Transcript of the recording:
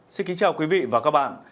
xin kính chào quý vị và các bạn